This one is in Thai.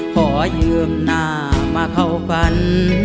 ขอยืมหน้ามาเข้าฝัน